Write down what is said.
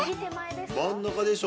真ん中でしょ